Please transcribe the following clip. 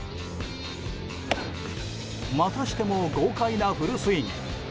またしても豪快なフルスイング。